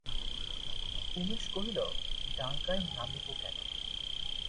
উমেশ কহিল, ডাঙায় নামিব কেন?